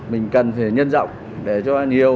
mình cần phải nhân rộng để cho anh hiểu